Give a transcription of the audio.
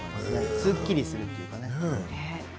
すっきりするというかね。